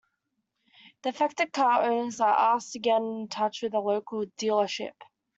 The affected car owners are asked to get in touch with a local dealership.